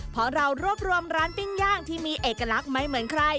เพราะเรารวบรวมร้านปิ้งย่างที่มีเอกลักษณ์ไม่เหมือนใคร